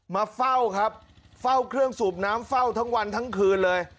มาเฝ้าครับเฝ้าเครื่องสูบน้ำเฝ้าทั้งวันทั้งคืนเลย